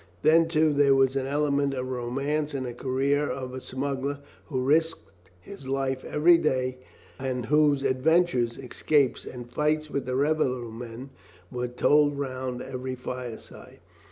Then, too, there was an element of romance in the career of a smuggler who risked his life every day, and whose adventures, escapes, and fights with the revenue men were told round every fireside.